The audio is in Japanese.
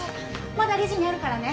まだレジにあるからね。